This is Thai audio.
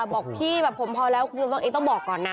บอกพี่แบบผมพอแล้วคุณผู้ชมเองต้องบอกก่อนนะ